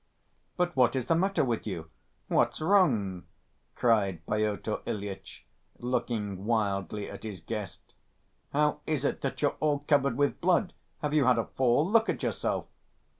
"But what is the matter with you? What's wrong?" cried Pyotr Ilyitch, looking wildly at his guest. "How is it that you're all covered with blood? Have you had a fall? Look at yourself!"